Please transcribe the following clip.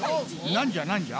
なんじゃなんじゃ？